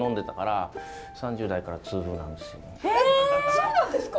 そうなんですか？